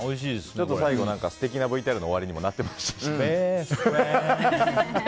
最後、素敵なＶＴＲの終わりにもなってましたしね。